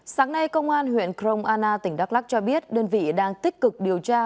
sáng nay công an huyện krong anna tỉnh đắk lắc cho biết đơn vị đang tích cực điều tra